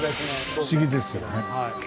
不思議ですよね。